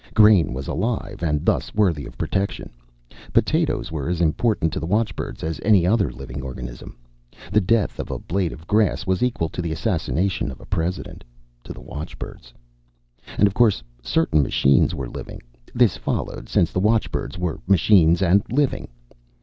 Grain was alive and thus worthy of protection. Potatoes were as important to the watchbird as any other living organism. The death of a blade of grass was equal to the assassination of a President To the watchbirds. And, of course, certain machines were living. This followed, since the watchbirds were machines and living.